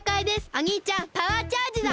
おにいちゃんパワーチャージだ！